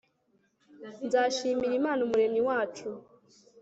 r/ nzashimira imana umuremyi wacu